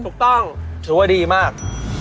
ถูกต้องถือว่าดีมาก